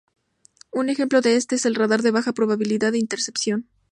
Un ejemplo de esto es el radar de baja probabilidad de intercepción.